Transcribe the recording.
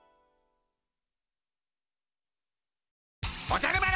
おじゃる丸